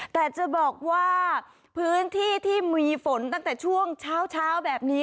แต่จะบอกว่าพื้นที่ที่มีฝนตั้งแต่ช่วงเช้าแบบนี้